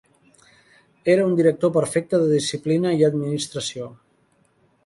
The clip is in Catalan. Era un director perfecte de disciplina i administració.